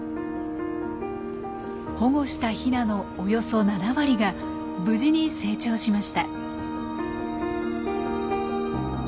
保護したヒナのおよそ７割が無事に成長しました。